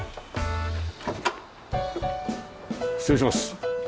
失礼します。